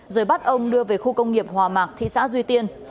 rồi bắt ông đưa về khu công nghiệp hòa mạc thị xã duy tiên